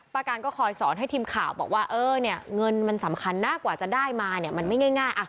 ป้าการก็คอยสอนให้ทีมข่าวบอกว่าเงินมันสำคัญน่ากว่าจะได้มามันไม่ง่าย